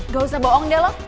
gak usah boong deh lo